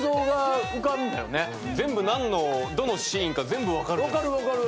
全部何のどのシーンか全部分かる。